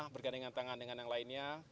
bergandengan tangan dengan yang lainnya